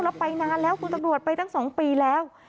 แล้วไปนานแล้วคุณตำรวจไปตั้ง๒ปีแล้ว